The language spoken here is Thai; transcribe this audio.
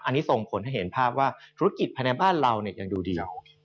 อันนี้ส่งผลให้เห็นภาพว่าธุรกิจภายในบ้านเรายังดูเดียว